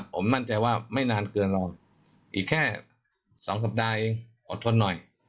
ผมมั่นใจว่าไม่นานเกินหรอกอีกแค่๒สัปดาห์อดทนหน่อย